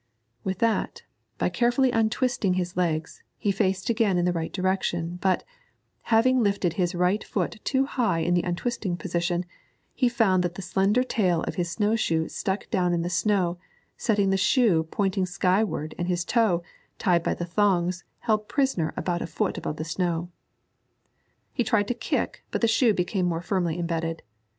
With that, by carefully untwisting his legs, he faced again in the right direction, but, having lifted his right foot too high in the untwisting process, he found that the slender tail of its snow shoe stuck down in the snow, setting the shoe pointing skyward and his toe, tied by the thongs, held prisoner about a foot above the snow. He tried to kick, but the shoe became more firmly embedded.